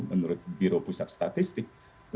menurut biro pusat statistik